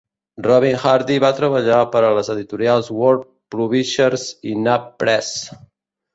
Robin Hardy va treballar per a les editorials Word Publishers i NavPress.